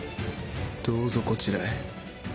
どうぞこちらへ。